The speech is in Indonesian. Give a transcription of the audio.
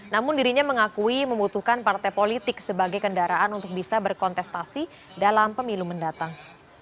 namun dirinya mengakui membutuhkan partai politik sebagai kendaraan untuk bisa berkontestasi dalam pemilu mendatang